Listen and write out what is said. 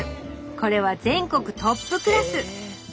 これは全国トップクラス！